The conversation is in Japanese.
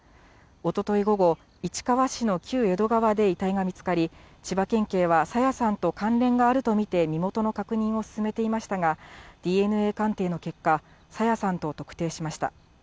おととい午後、市川市の旧江戸川で遺体が見つかり、千葉県警は朝芽さんと関連があると見て、身元の確認を進めていましたが、ＤＮＡ鑑定の結果、朝芽さんと特定しました。